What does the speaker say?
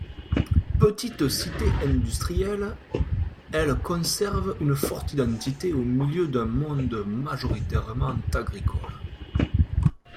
Petite cité industrielle elle conserve une forte identité au milieu d'un monde majoritairement agricole.